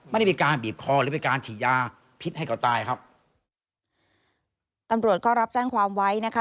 ไม่ได้มีการบีบคอหรือเป็นการฉีดยาพิษให้เขาตายครับตำรวจก็รับแจ้งความไว้นะคะ